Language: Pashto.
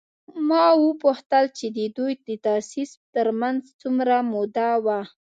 ما وپوښتل چې د دوی د تاسیس تر منځ څومره موده وه؟